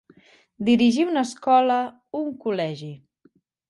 Dirigir una escola, un col·legi.